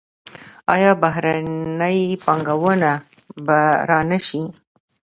آیا بهرنۍ پانګونه به را نشي؟